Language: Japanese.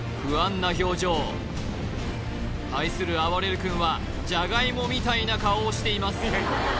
不安な表情対するあばれる君はジャガイモみたいな顔をしています